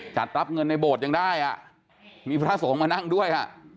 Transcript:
จัดรับเงินในโบสถ์ยังได้อ่ะมีพระสงฆ์มานั่งด้วย